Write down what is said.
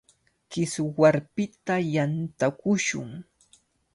Kiswarpita yantakushun.